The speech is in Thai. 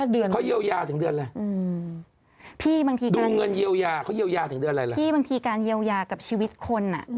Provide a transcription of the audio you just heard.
ดูเงินเยี่ยวยาพี่บางทีการเยี่ยวยากับชีวิตคน